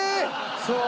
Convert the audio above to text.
そう。